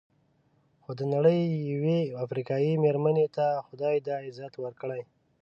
خو د نړۍ یوې افریقایي مېرمنې ته خدای دا عزت ورکړی.